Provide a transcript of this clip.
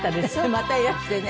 またいらしてね。